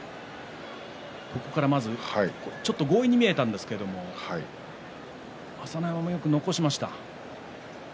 ここからまずちょっと強引に見えたんですけど朝乃山も、よく残しました。